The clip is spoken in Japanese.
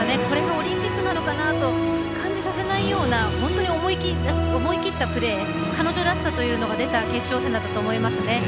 これがオリンピックなのかなと感じさせないような本当に思い切ったプレー彼女らしさというのが出た決勝戦だと思いますね。